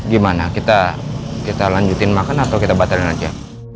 gimana kita lanjutin makan atau kita batalin aja